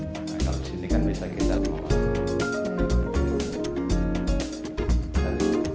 kalau di sini kan bisa kita